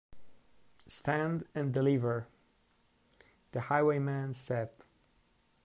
Stand and deliver, the highwayman said.